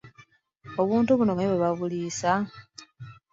Obuti buno omanyi bwe babuliisa?